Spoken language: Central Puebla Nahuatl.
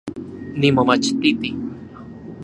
Nimomachtiti